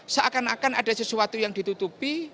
seakan akan ada sesuatu yang ditutupi